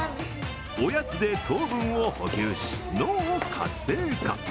おやつで糖分を補給し脳を活性化。